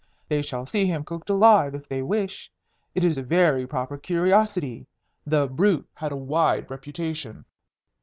They shall see him cooked alive, if they wish. It is a very proper curiosity. The brute had a wide reputation."